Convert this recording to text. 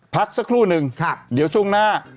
พักสักครู่นึงเดี๋ยวช่วงหน้า